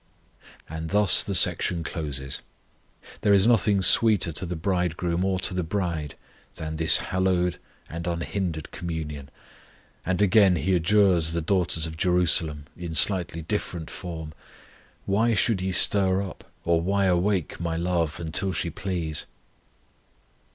And thus the section closes. There is nothing sweeter to the Bridegroom or to the bride than this hallowed and unhindered communion; and again He adjures the daughters of Jerusalem, in slightly different form: Why should ye stir up, or why awake My love, Until she please?